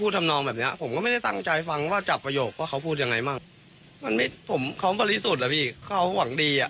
ท็อปบอกว่าเนี่ยค่ะ